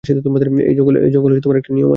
এই জঙ্গলে একটা নিয়ম আছে।